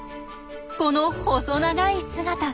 この細長い姿。